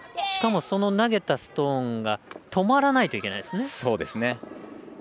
しかも投げたストーンが止まらないといけないですね。